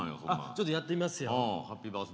ちょっとやってみますよ。